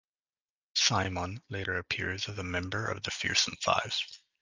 Psimon later appears as a member of the Fearsome Five.